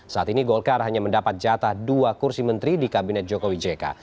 saat ini golkar hanya mendapat jatah dua kursi menteri di kabinet jokowi jk